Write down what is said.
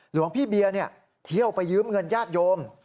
หลวงพี่เบียร์เที่ยวไปยืมเงินญาติโยม